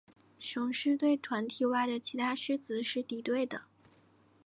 雌狮对团体外的其他狮子是敌对的。